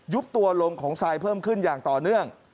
ตัวลงของทรายเพิ่มขึ้นอย่างต่อเนื่อง